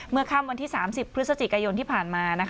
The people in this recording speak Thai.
ค่ำวันที่๓๐พฤศจิกายนที่ผ่านมา